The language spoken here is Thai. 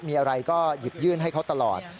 มีอะไรก็หยิบยื่นให้เขาตลอด